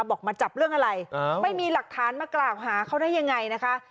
บอกมาจับเรื่องอะไรไม่มีหลักฐานมากล่าวหาเขาได้ยังไงนะคะ